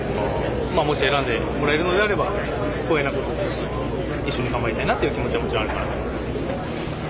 もし、選んでもらえるのであれば光栄なことですし一緒に頑張りたいなって気持ちはもちろんあるかなと思います。